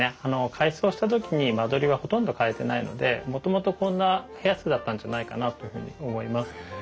改装した時に間取りはほとんど変えてないのでもともとこんな部屋数だったんじゃないかなというふうに思います。